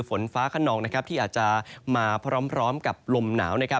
ฝนฟ้าขนองที่อาจจะมาพร้อมกับลมหนาว